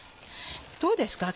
どうですか？